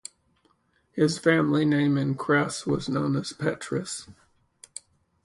His family name in Cres was known as Petris.